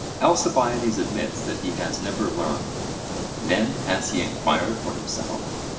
Alcibiades admits that he has never learned. Then has he enquired for himself?